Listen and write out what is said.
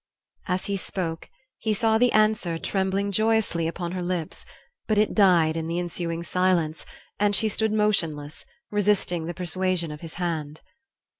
As he spoke he saw the answer trembling joyously upon her lips; but it died in the ensuing silence, and she stood motionless, resisting the persuasion of his hand.